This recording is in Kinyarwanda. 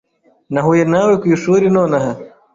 Nahuye nawe ku ishuri nonaha.